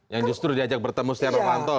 yang justru diajak bertemu stiano fanto